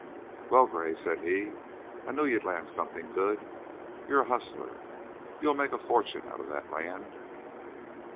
"Well, Gray," said he, "I knew you'd land something good. You're a hustler. You'll make a fortune out of that land."